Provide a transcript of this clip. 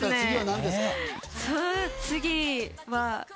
次は。